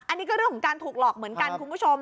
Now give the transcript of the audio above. อันนี้ก็เรื่องของการถูกหลอกเหมือนกันคุณผู้ชม